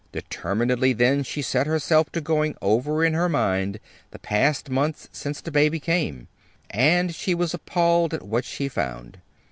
Determinedly, then, she set herself to going over in her mind the past months since the baby came; and she was appalled at what she found.